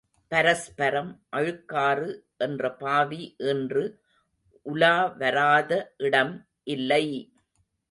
பரஸ்பரம் அழுக்காறு என்ற பாவி இன்று உலாவராத இடம் இல்லை!